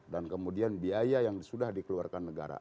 dan kemudian biaya yang sudah dikeluarkan negara